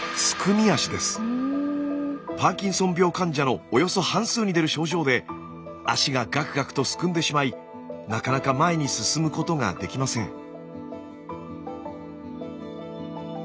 パーキンソン病患者のおよそ半数に出る症状で足がガクガクとすくんでしまいなかなか前に進むことができません。